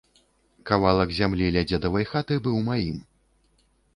Кавалак зямлі ля дзедавай хаты быў маім.